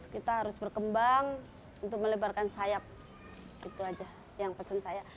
kita harus berkembang untuk melebarkan sayap itu aja yang pesan saya